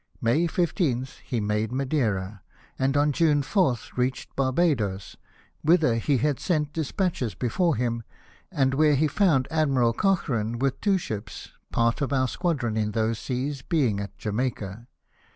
May 15th he made Madeim. .•nid on June 4th r« ;i.<'hfd BorbadoHS. whith'^r hp li;<«I sent despatches before him, and whert:' lif rouiid Admiral Cocjirane with two ships, part of our squadron in those seas being at Jamaica.